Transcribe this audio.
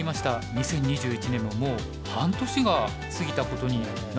２０２１年ももう半年が過ぎたことになるんですね。